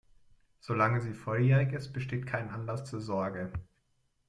Solange sie volljährig ist, besteht kein Anlass zur Sorge.